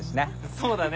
そうだね。